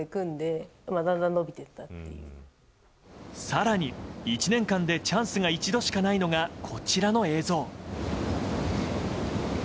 更に、１年間でチャンスが一度しかないのがこちらの映像。